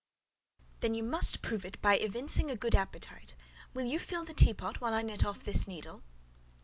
"Then you must prove it by evincing a good appetite; will you fill the teapot while I knit off this needle?"